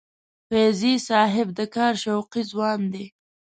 فیضي صاحب د کار شوقي ځوان دی.